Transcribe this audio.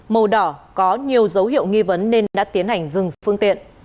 màu đỏ có nhiều dấu hiệu nghi vấn nên đã tiến hành dừng phương tiện